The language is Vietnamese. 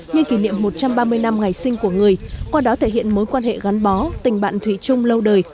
nhân kỷ niệm một trăm ba mươi năm ngày sinh của người qua đó thể hiện mối quan hệ gắn bó tình bạn thủy chung lâu đời